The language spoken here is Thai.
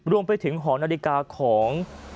รวมไปถึงหอนาฬิกาของ